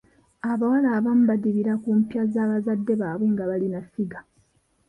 Abawala abamu badibira ku mpya za bazadde baabwe nga balina ffiga.